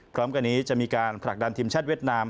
พร้อมกันนี้จะมีการผลักดันทีมชาติเวียดนาม